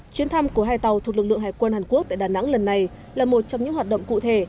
chuyến thăm của hai tàu thuộc lực lượng hải quân hàn quốc tại đà nẵng lần này là một trong những hoạt động cụ thể